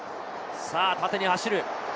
縦に走る。